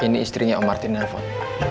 ini istrinya om martin yang telepon